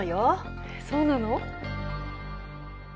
そうなの？